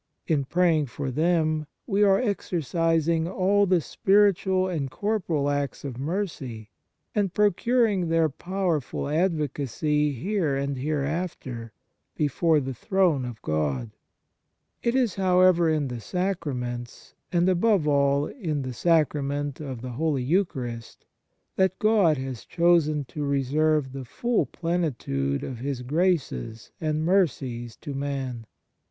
In praying for them we are exercising all the spiritual and corporal acts of mercy, and procuring their powerful advocacy here and here after before the throne of God. 139 THE MARVELS OF DIVINE GRACE It is, however, in the Sacraments, and above all in the Sacrament of the Holy Eucharist, that God has chosen to reserve the full plenitude of His graces and mercies to man.